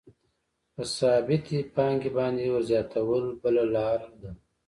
په ثابتې پانګې باندې ورزیاتول بله لاره ده